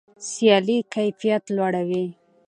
سیالي کیفیت لوړوي.